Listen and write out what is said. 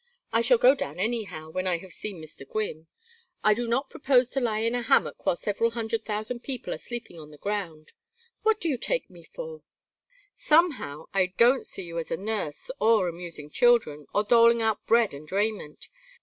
I shall go down anyhow when I have seen Mr. Gwynne. I do not propose to lie in a hammock while several hundred thousand people are sleeping on the ground. What do you take me for?" "Somehow I don't see you as a nurse, or amusing children, or doling out bread and raiment.